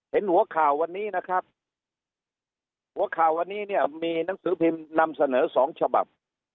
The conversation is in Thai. เห็นหัวข่าววันนี้นะครับหัวข่าววันนี้เนี่ยมีหนังสือพิมพ์นำเสนอสองฉบับ